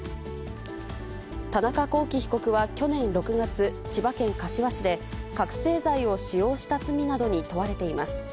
田中聖被告は去年６月、千葉県柏市で覚醒剤を使用した罪などに問われています。